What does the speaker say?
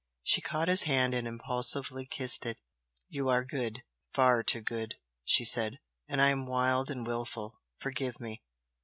She caught his hand and impulsively kissed it. "You are good! far too good!" she said "And I am wild and wilful forgive me!